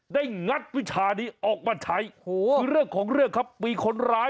งัดวิชานี้ออกมาใช้โอ้โหคือเรื่องของเรื่องครับมีคนร้าย